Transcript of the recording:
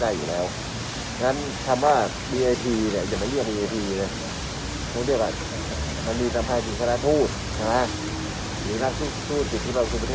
กันแล้วนะจ๊ะเพราะนั้นไม่ดีนะเข้าจากความแสดงของรัฐบาล